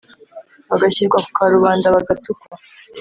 bagashyirwa ku karubanda bagatukwa